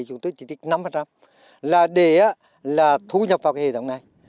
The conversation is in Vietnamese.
chúng tôi chỉ trích năm là để là thu nhập vào cái hệ thống này